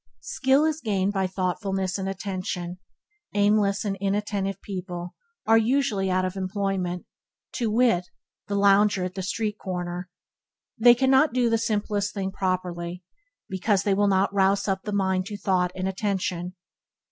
Skill is gained by thoughtfulness and attention. Aimless and inattentive people are usually out of employment – to wit, the lounger at the street corner. They cannot do the simplest thing properly, because they will not rouse up the mind to thought and attention.